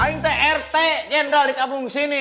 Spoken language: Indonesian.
aing teh rt jendralik abu sini